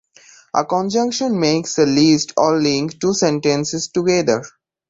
A conjunction makes a list or link two sentences together.